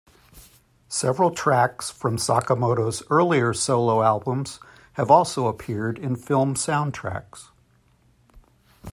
Several tracks from Sakamoto's earlier solo albums have also appeared in film soundtracks.